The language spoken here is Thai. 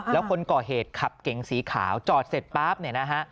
แล้วคนก่อเหตุขับเก๋งสีขาวจอดเสร็จป๊าบเนี่ยนะฮะ